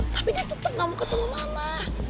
tapi dia tetep gak mau ketemu mama